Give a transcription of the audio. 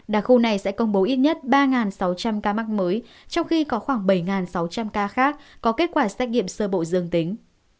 đặc khu này sẽ công bố ít nhất ba sáu trăm linh ca mắc mới trong khi có khoảng bảy sáu trăm linh ca khác có kết quả xét nghiệm sơ bộ dương tính